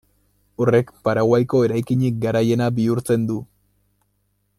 Horrek Paraguaiko eraikinik garaiena bihurtzen du.